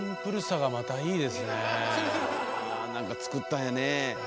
何か作ったんやねえ。